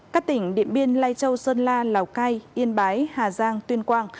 các tỉnh điện biên lai châu sơn la lào cai yên bái hà giang tuyên quang